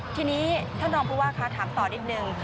ทีนี้ท่านรองผู้ว่าคะถามต่อนิดนึง